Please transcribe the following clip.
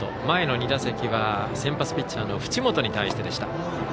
前の２打席は先発ピッチャーの淵本に対してでした。